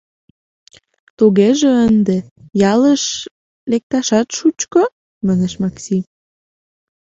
— Тугеже ынде ялыш лекташат шучко? — манеш Макси.